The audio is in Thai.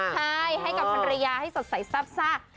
ใช่ให้กับภรรยาให้สดใสซาบ